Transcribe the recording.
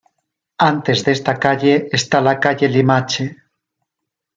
Antes de esta calle, está la calle Limache.